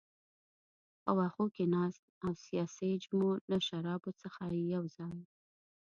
په وښو کې ناست او ساسیج مو له شرابو سره یو ځای.